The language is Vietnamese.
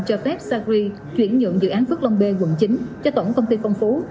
cho phép sacri chuyển nhượng dự án phước long bê quận chín cho tổng công ty phong phú